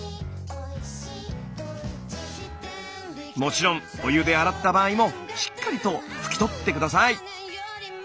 もちろんお湯で洗った場合もしっかりと拭き取って下さい。